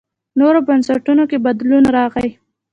نورو بنسټونو کې بدلون راغی.